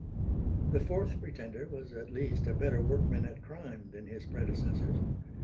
The fourth pretender was at least a better workman at crime than his predecessors.